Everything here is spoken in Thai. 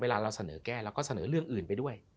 เราเสนอแก้เราก็เสนอเรื่องอื่นไปด้วย